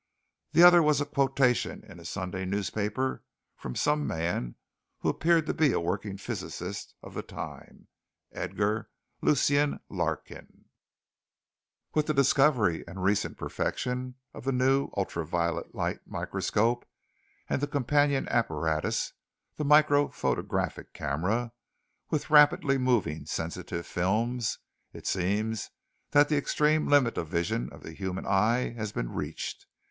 The other was a quotation in a Sunday newspaper from some man who appeared to be a working physicist of the time Edgar Lucien Larkin: "With the discovery and recent perfection of the new ultra violet light microscope and the companion apparatus, the microphotographic camera, with rapidly moving, sensitive films, it seems that the extreme limit of vision of the human eye has been reached.